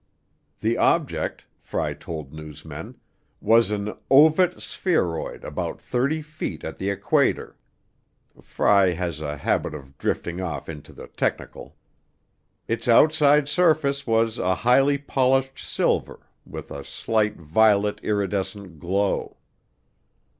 The object, Fry told newsmen, was an "ovate spheroid about thirty feet at the equator." (Fry has a habit of drifting off into the technical). Its outside surface was a highly polished silver with a slight violet iridescent glow.